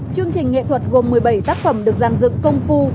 chương trình nghệ thuật gồm một mươi bảy tác phẩm được dàn dựng công phu